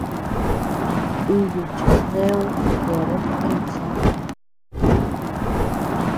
Iyu chi sneu yeabean icha.